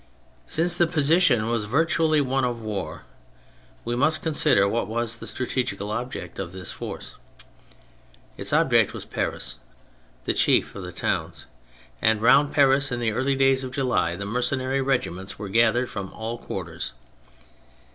Since the position was virtually one of war, we must consider what was the strategical object of this force. Its object was Paris, the chief of the towns; and round Paris, in the early days of July, the mercenary regiments were gathered from all quarters.